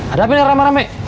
ada apaan nih rame rame